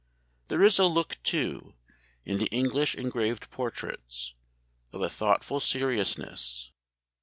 There is a look too, in the English engraved portraits, of a thoughtful seriousness.